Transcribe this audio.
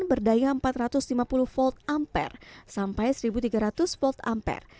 berdaya empat ratus lima puluh volt ampere sampai satu tiga ratus volt ampere